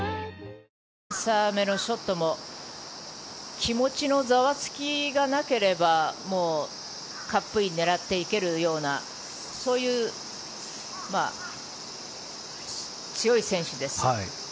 気持ちのざわつきがなければもうカップイン狙っていけるようなそういう強い選手です。